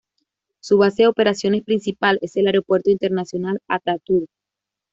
Su base de operaciones principal es el Aeropuerto Internacional Atatürk.